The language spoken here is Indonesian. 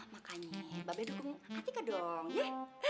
makanya mbak be dukung hatika dong ya